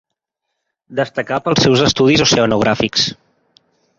Destacà pels seus estudis oceanogràfics.